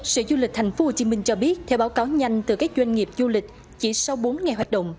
sở du lịch tp hcm cho biết theo báo cáo nhanh từ các doanh nghiệp du lịch chỉ sau bốn ngày hoạt động